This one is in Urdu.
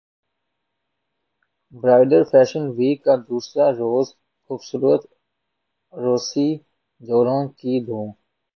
برائڈل فیشن ویک کا دوسرا روز خوبصورت عروسی جوڑوں کی دھوم